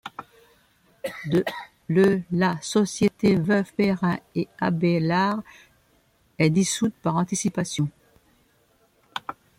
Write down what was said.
Le la société Veuve Perrin & Abellard est dissoute par anticipation.